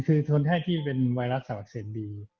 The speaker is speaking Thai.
ก็คือคนที่เป็นไวรัสต่างประเศษดี